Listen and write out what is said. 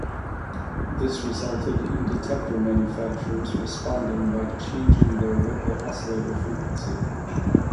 This resulted in detector manufacturers responding by changing their local oscillator frequency.